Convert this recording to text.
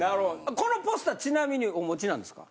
このポスターちなみにお持ちなんですか？